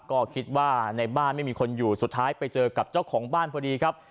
ก็คิดว่าในบ้านไม่มีคนอยู่สุดท้ายไปเจอกับเจ้าของบ้านพอดีครับ